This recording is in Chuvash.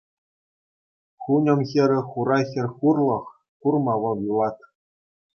Хуньӑм хӗрӗ хура хӗр хурлӑх курма вӑл юлать.